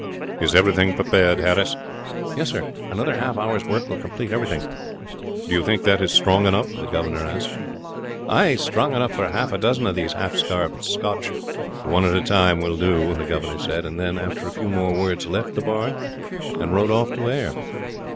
"Is everything prepared, Harris?" "Yes, sir; another half hour's work will complete everything." "Do you think that is strong enough?" the governor asked. "Ay; strong enough for half a dozen of these half starved Scots." "One at a time will do," the governor said; and then, after a few more words, left the barn and rode off to Ayr.